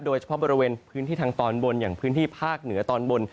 โดยเฉพาะบริเวณพื้นที่ทางตอนบนอย่างพื้นที่ภาคเหนือตอนบน